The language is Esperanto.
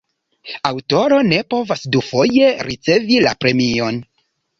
Aŭtoro ne povas dufoje ricevi la premion.